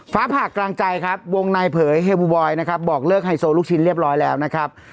ฟ้าผ่ากลางใจครับวงในเผยเฮูบอยนะครับบอกเลิกไฮโซลูกชิ้นเรียบร้อยแล้วนะครับ